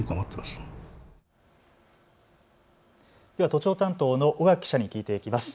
都庁担当の尾垣記者に聞いていきます。